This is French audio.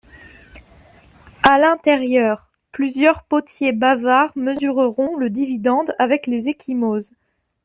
À l'intérieur, plusieurs potiers bavards mesureront le dividende avec les ecchymoses.